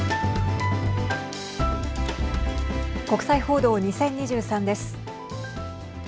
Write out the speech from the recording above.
国際報道２０２３です。